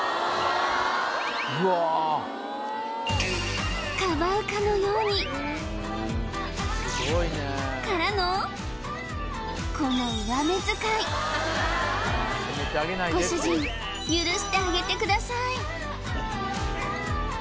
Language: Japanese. うわかばうかのようにこの上目遣いご主人許してあげてください